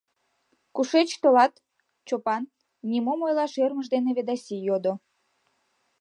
— Кушеч толат, Чопан? — нимом ойлаш ӧрмыж дене Ведаси йодо.